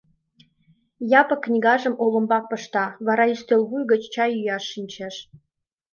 Япык книгажым олымбак пышта, вара ӱстелвуй гыч чай йӱаш шинчеш.